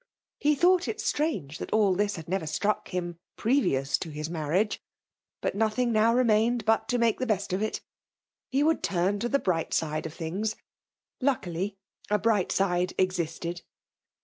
He thought it strange that all fhis had never strudc him pre vicms to his marriage ; but nothing now re mained but to make the bdst of it. He would turn to the bright side of things ! Lucidly^ a bright side existed.